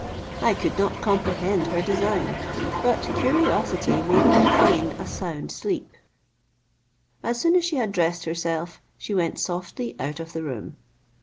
I could not comprehend her design, but curiosity made me feign a sound sleep. As soon as she had dressed herself, she went softly out of the room.